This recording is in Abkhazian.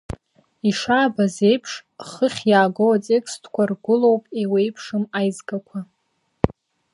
Ишаабаз еиԥш, хыхь иаагоу атекстқәа ргәылоуп еиуеиԥшым аизгақәа…